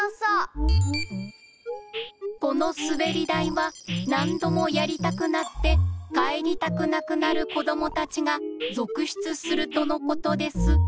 このすべりだいはなんどもやりたくなってかえりたくなくなるこどもたちがぞくしゅつするとのことです